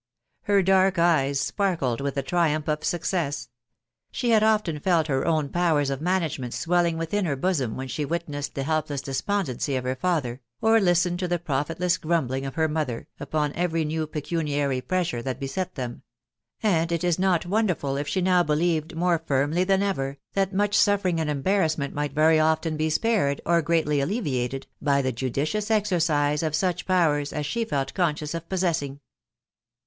Her dark eyes sparkled with the triumph of success ; she had often felt her own powers of management swelling within her bosom when she witnessed the helpless despondency of her father, or listened to the profitless grumbling of her mother, upon every new pecuniary pressure that beset them ; and it is not wonderful if she now believed more firmly than ever, that much suffering and embarrassment might very often be spared, or greatly alleviated, by the judicious exercise of such powers as she felt conscious of possessing.